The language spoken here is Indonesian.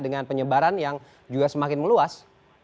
dengan penyebaran yang juga semakin meluas